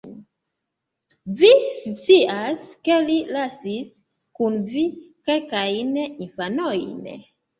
Vi scias ke li lasis kun vi kelkajn infanojn